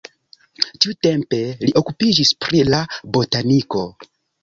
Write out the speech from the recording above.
Tiutempe li okupiĝis pri la botaniko.